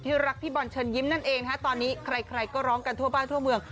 รักพี่บอลเชิญยิ้มนั่นเองนะฮะตอนนี้ใครก็ร้องกันทั่วบ้านทั่วเมือง